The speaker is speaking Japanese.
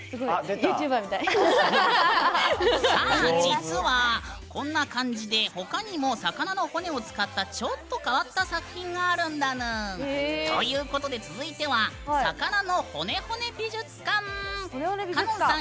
実はこんな感じで他にも魚の骨を使ったちょっと変わった作品があるんだぬーん。ということで続いては魚の骨骨美術館！